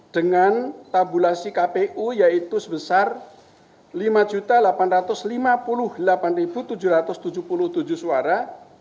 dengan tabulasi kpu yaitu sebesar lima delapan ratus lima puluh delapan tujuh ratus tujuh puluh tujuh suara